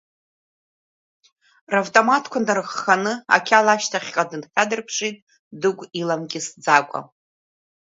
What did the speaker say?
Равтоматқәа нарыхханы ақьала ашьҭахьҟа дынхьадырԥшит, Дыгә иламкьысӡакәа.